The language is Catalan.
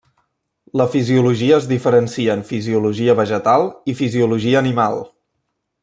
La fisiologia es diferencia en fisiologia vegetal i fisiologia animal.